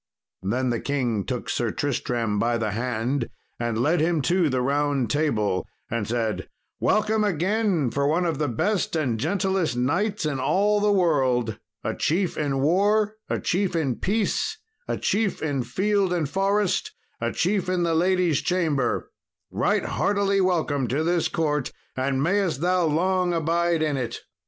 Then the king took Sir Tristram by the hand and led him to the Round Table and said, "Welcome again for one of the best and gentlest knights in all the world; a chief in war, a chief in peace, a chief in field and forest, a chief in the ladies' chamber right heartily welcome to this court, and mayest thou long abide in it."